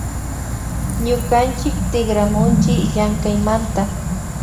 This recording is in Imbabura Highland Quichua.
Ñukanchik tikramunchi llamkaymanta